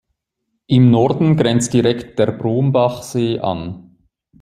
Im Norden grenzt direkt der Brombachsee an.